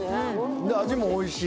味もおいしい。